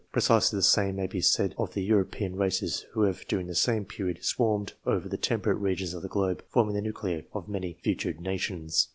Precisely the same may be said of the European races who have during the same period swarmed over the temperate regions of the globe, forming the nuclei of many future nations.